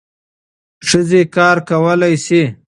ښځې کار کولای سي.